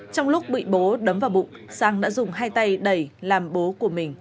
trong lúc bị bố đấm vào bụng sang đã dùng hai tay đẩy làm bố của mình